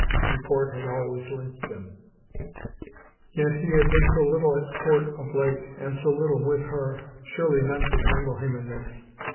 Report had always linked them. Yet he had 327 THE FAVOR OF KINGS been so little at court of late and so little with her — surely none could tangle him in this.